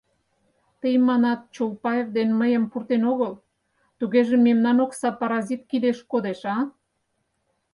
Тый манат, Чолпаев ден мыйым пуртен огыл, тугеже мемнан окса паразит кидеш кодеш, а?